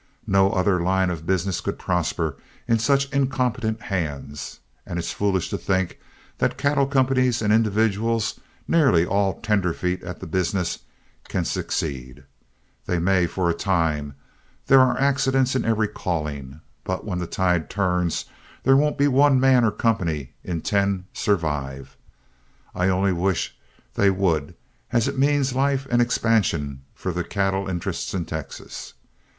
No other line of business could prosper in such incompetent hands, and it's foolish to think that cattle companies and individuals, nearly all tenderfeet at the business, can succeed. They may for a time, there are accidents in every calling, but when the tide turns, there won't be one man or company in ten survive. I only wish they would, as it means life and expansion for the cattle interests in Texas.